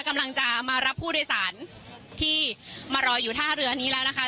กำลังจะมารับผู้โดยสารที่มารออยู่ท่าเรือนี้แล้วนะคะ